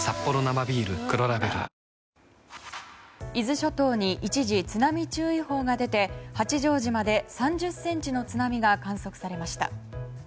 伊豆諸島に一時津波注意報が出て八丈島で３０ｃｍの津波が観測されました。